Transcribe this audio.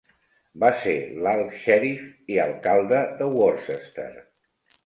Va ser l'Alt Xèrif i alcalde de Worcester.